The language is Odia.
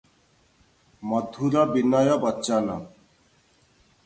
ମଧୁର ବିନୟ ବଚନ ।